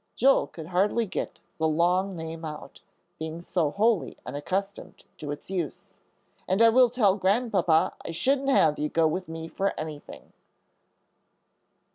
Joel could hardly get the long name out, being so wholly unaccustomed to its use. "And I will tell Grandpapa I wouldn't have you go with me for anything."